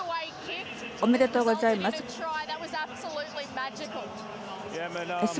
おめでとうございます。